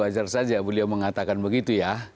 wajar saja beliau mengatakan begitu ya